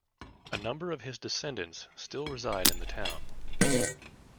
A number of his descendants still reside in the town.